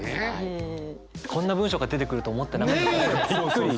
こんな文章が出てくると思ってなかったびっくり。